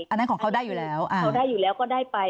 อันนั้นของเขาได้อยู่แล้วเขาได้อยู่แล้วก็ได้ไป